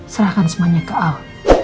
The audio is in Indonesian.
serahkan semuanya ke al